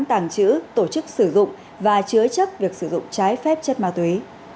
tàng trữ tổ chức sử dụng và chứa chấp việc sử dụng trái phép chất ma túy